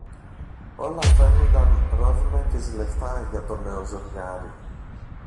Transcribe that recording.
Όλα φαίνουνταν ρόδινα και ζηλευτά για το νέο ζευγάρι.